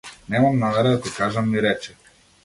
Немам намера да ти кажам ми рече.